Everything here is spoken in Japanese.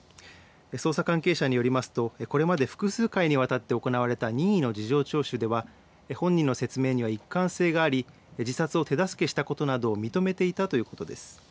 捜査関係者によりますとこれまで複数回にわたって行われた任意の事情聴取では本人の説明には一貫性があり自殺を手助けしたことなどを認めていたということです。